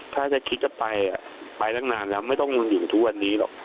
ถ้าจะคิดจะไปไปตั้งนานแล้วไม่ต้องอยู่ทุกวันนี้หรอก